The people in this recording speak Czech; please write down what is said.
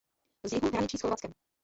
Z jihu hraničí s Chorvatskem.